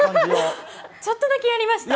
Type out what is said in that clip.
ちょっとだけやりました。